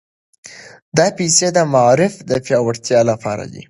دا پيسې د معارف د پياوړتيا لپاره وې.